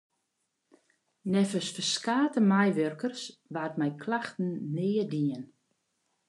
Neffens ferskate meiwurkers waard mei klachten neat dien.